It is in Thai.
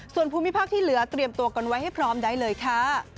ส่วนภูมิภาคที่เหลือเตรียมตัวกันไว้ให้พร้อมได้เลยค่ะ